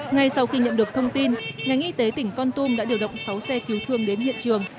ngay sau khi nhận được thông tin ngành y tế tỉnh con tum đã điều động sáu xe cứu thương đến hiện trường